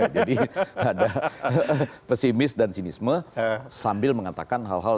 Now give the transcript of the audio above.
jadi ada pesimis dan sinisme sambil mengatakan hal hal